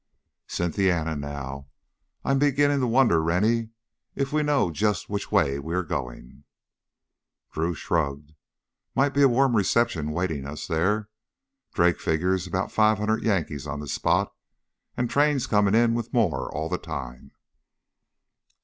"Cynthiana, now. I'm beginnin' to wonder, Rennie, if we know just which way we are goin'." Drew shrugged. "Might be a warm reception waitin' us there. Drake figures about five hundred Yankees on the spot, and trains comin' in with more all the time."